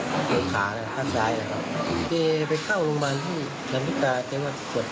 ตัวพี่สาวก็มารู้ว่าอาการของเพื่อนน้องสาวอีก๓คน